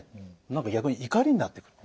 何か逆に怒りになってくる。